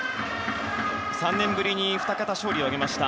３年ぶりに２桁勝利を上げました。